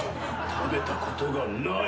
食べたことがない！？